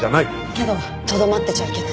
けどとどまってちゃいけない。